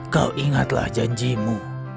kau ingatlah janjimu